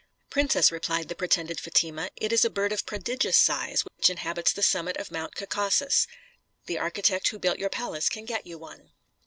"Princess," replied the pretended Fatima, "it is a bird of prodigious size, which inhabits the summit of Mount Caucasus; the architect who built your palace can get you one."